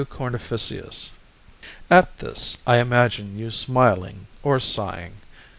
Cornificius. At this I imagine you smiling or sighing.